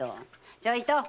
ちょいと！